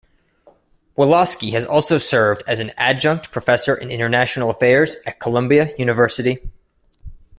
Wolosky has also served as an Adjunct Professor in International Affairs at Columbia University.